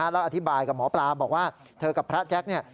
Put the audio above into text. แล้วอธิบายกับหมอปลาบอกว่าเธอกับพระแจ๊คเนี่ย